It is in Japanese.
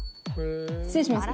失礼しますね。